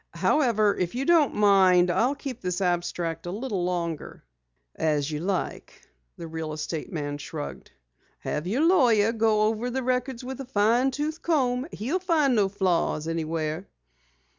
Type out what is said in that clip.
"However, if you don't mind, I'll keep this abstract a little longer." "As you like," the real estate man shrugged. "Have your lawyer go over the records with a fine tooth comb. He'll find no flaws anywhere."